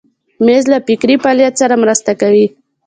مېز له فکري فعالیت سره مرسته کوي.